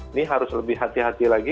ini harus lebih hati hati lagi